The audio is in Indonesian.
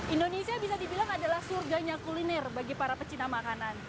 indonesia bisa dibilang adalah surganya kuliner bagi para pecinta makanan